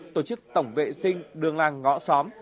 tổ chức tổng vệ sinh đường làng ngõ xóm